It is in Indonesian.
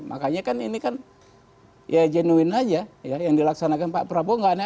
makanya kan ini kan ya jenuin aja ya yang dilaksanakan pak prabowo